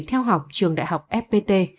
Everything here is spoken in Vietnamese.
để theo học trường đại học fpt